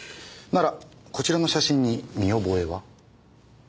ならこちらの写真に見覚えは？